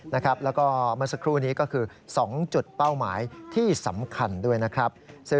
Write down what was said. แล้วก็เมื่อสักครู่นี้ก็คือ๒จุดเป้าหมายที่สำคัญด้วยนะครับ